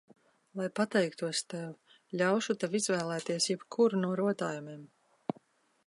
Lai pateiktos tev, ļaušu tev izvēlēties jebkuru no rotājumiem.